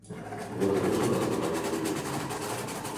Вот и нужно название выдумать.